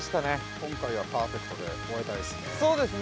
◆今回はパーフェクトで終えたいですね。